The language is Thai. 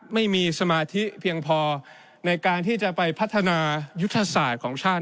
ไม่มีสมาธิเพียงพอในการที่จะไปพัฒนายุทธศาสตร์ของชาติ